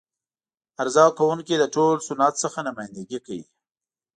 عرضه کوونکی د ټول صنعت څخه نمایندګي کوي.